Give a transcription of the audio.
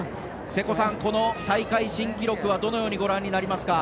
瀬古さん、この大会新記録はどのようにご覧になりますか。